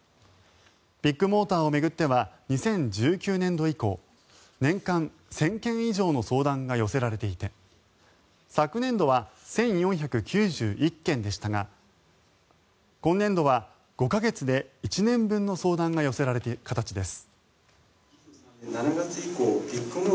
ビッグモーターを巡っては２０１９年度以降年間１０００件以上の相談が寄せられていて昨年度は１４９１件でしたが今年度は５か月で１年分の相談が寄せられている形です。